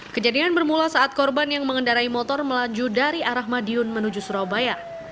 kejadian bermula saat korban yang mengendarai motor melaju dari arah madiun menuju surabaya